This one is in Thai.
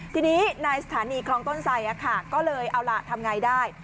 ทีนี้นายสถานีคลองต้นใส่อ่ะค่ะก็เลยเอาล่ะทำง่ายได้